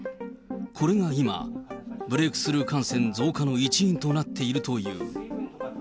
これが今、ブレークスルー感染増加の一因となっているという。